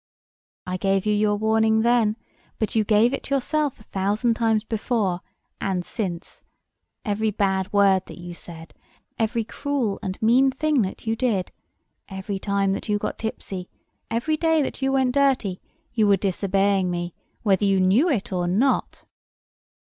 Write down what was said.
"I gave you your warning then: but you gave it yourself a thousand times before and since. Every bad word that you said—every cruel and mean thing that you did—every time that you got tipsy—every day that you went dirty—you were disobeying me, whether you knew it or not."